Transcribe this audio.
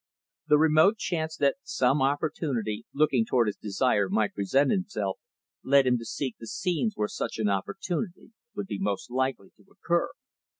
The remote chance that some opportunity looking toward his desire might present itself, led him to seek the scenes where such an opportunity would be most likely to occur.